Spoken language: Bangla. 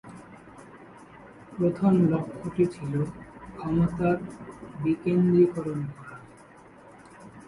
প্রথম লক্ষ্যটি ছিল ক্ষমতার বিকেন্দ্রীকরণ করা।